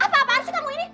apa apaan sih kamu ini